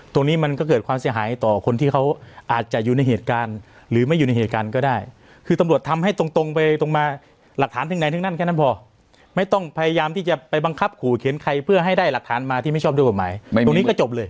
ตรงนี้มันก็เกิดความเสียหายต่อคนที่เขาอาจจะอยู่ในเหตุการณ์หรือไม่อยู่ในเหตุการณ์ก็ได้คือตำรวจทำให้ตรงตรงไปตรงมาหลักฐานถึงไหนถึงนั่นแค่นั้นพอไม่ต้องพยายามที่จะไปบังคับขู่เขียนใครเพื่อให้ได้หลักฐานมาที่ไม่ชอบด้วยกฎหมายตรงนี้ก็จบเลย